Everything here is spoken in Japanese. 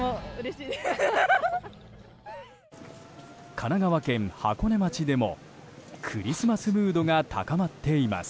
神奈川県箱根町でもクリスマスムードが高まっています。